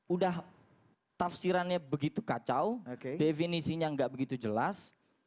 udah tafsirannya begitu kacau definisinya nggak begitu jelas